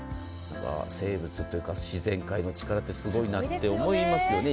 生物というか自然界の力ってすごいですよね。